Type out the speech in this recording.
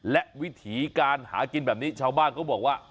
และวิถีการหากินแบบนี้ชาวบ้านเขาบอกว่า